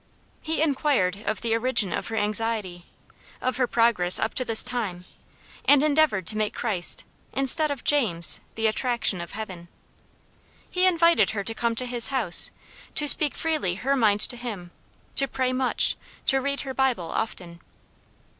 He inquired of the origin of her anxiety, of her progress up to this time, and endeavored to make Christ, instead of James, the attraction of Heaven. He invited her to come to his house, to speak freely her mind to him, to pray much, to read her Bible often.